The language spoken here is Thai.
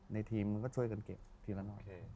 ในทีมมึงก็ช่วยเกินเก็บทีละหน่อย